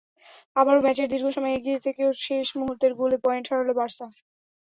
আবারও ম্যাচের দীর্ঘ সময় এগিয়ে থেকেও শেষ মুহূর্তের গোলে পয়েন্ট হারাল বার্সা।